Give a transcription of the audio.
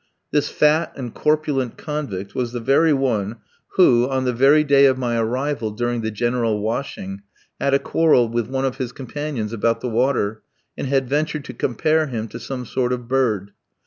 This fat and corpulent convict was the very one who, on the very day of my arrival during the general washing, had a quarrel with one of his companions about the water, and had ventured to compare him to some sort of bird.